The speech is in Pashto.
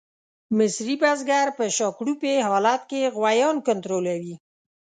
مصري بزګر په شاکړوپي حالت کې غویان کنټرولوي.